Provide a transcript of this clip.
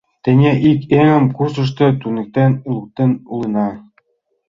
Тений ик еҥым курсышто туныктен луктын улына.